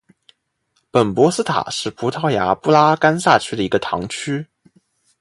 本波斯塔是葡萄牙布拉干萨区的一个堂区。